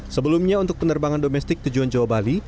sebelumnya untuk penerbangan domestik tujuan jawa bali